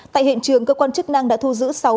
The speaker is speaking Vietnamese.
tại hiện trường cơ quan chức năng đã thu giữ